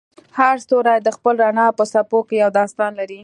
هر ستوری د خپل رڼا په څپو کې یو داستان لري.